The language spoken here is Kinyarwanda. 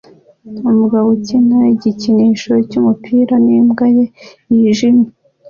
Umugabo ukina igikinisho cyumupira nimbwa ye yijimye